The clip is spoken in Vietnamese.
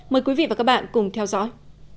mời quý vị và các bạn cùng theo dõi